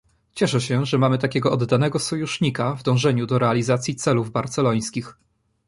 Cieszę się, że mamy takiego oddanego sojusznika w dążeniu do realizacji celów barcelońskich